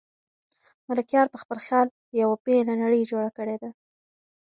ملکیار په خپل خیال یوه بېله نړۍ جوړه کړې ده.